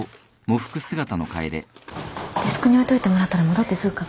デスクに置いといてもらったら戻ってすぐ確認するよ。